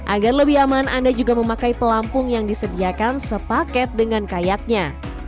agar lebih aman anda juga memakai pelampung yang disediakan sepaket dengan kayaknya